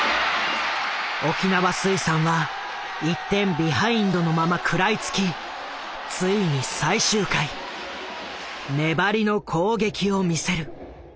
沖縄水産は１点ビハインドのまま食らいつきついに最終回粘りの攻撃を見せる。